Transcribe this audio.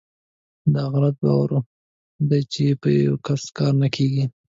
داغلط باور دی چې په یوکس کار نه کیږي .